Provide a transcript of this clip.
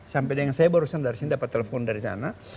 sampai dengan saya baru saja mendapatkan telepon dari sana